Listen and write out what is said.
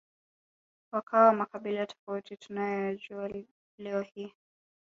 wakawa makabila tofauti tunayoyajua leo hii